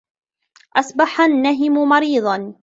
أَصْبَحَ النَّهِمُ مَرِيضًا.